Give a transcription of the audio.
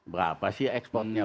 berapa sih ekspornya